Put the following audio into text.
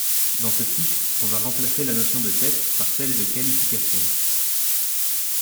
Dans ce cycle on va remplacer la notion de test par celle de qualification.